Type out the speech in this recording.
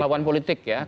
lawan politik ya